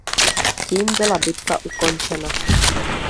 Tím byla bitva ukončena.